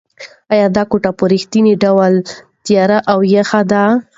ایا دا کوټه په رښتیا ډېره تیاره او یخه ده؟